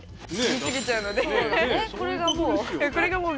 これがもう。